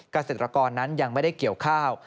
เกษตรกรนั้นยังไม่ได้เกี่ยวข้าว